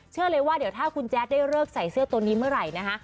เลยว่าเดี๋ยวถ้าคุณแจ๊ดได้เลิกใส่เสื้อตัวนี้เมื่อไหร่นะคะ